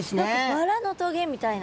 バラのトゲみたいな。